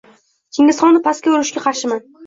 Chingizxonni pastga urishga qarshiman.